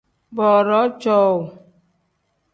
Booroo cowuu.